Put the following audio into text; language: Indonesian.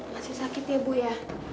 masih sakit ya bu ya